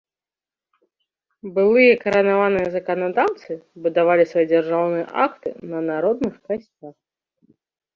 Былыя каранаваныя заканадаўцы будавалі свае дзяржаўныя акты на народных касцях.